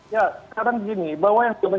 ya itu adalah bagian dari membungkam rocky gerung